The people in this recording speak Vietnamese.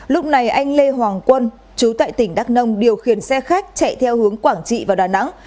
lúc này anh lê hoàng quân chú tại tỉnh đắk nông điều khiển xe khách chạy theo hướng quảng trị vào đà nẵng